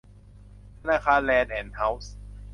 ธนาคารแลนด์แอนด์ เฮ้าส์